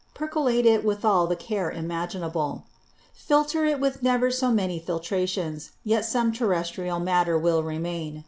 Percolate it withal the Care imaginable: Filter it with never so many Filtrations, yet some Terrestrial Matter will remain.